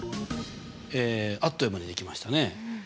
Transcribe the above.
あっという間に出来ましたね。